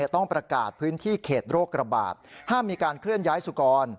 ต้องประกาศพื้นที่เขตโรคระบาดห้ามมีการเคลื่อนย้ายสุกร